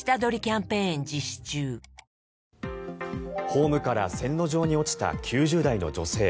ホームから線路上に落ちた９０代の女性。